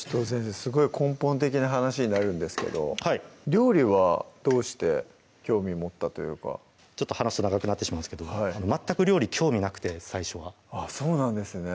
すごい根本的な話になるんですけど料理はどうして興味持ったというかちょっと話すと長くなってしまうんですけど全く料理興味なくて最初はあっそうなんですね